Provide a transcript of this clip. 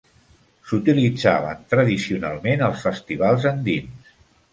S'utilitzaven tradicionalment als festivals andins.